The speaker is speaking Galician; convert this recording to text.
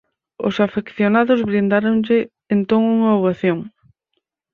Os afeccionados brindáronlle entón unha ovación.